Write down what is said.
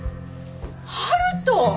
悠人！